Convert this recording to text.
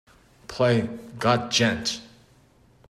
Play Got Djent?